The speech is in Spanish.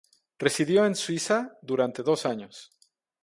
Residió en Suiza durante dos años.